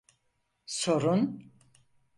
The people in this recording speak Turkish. Sorun…